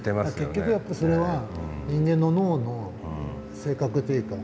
結局やっぱりそれは人間の脳の性格というか性質なんですよね。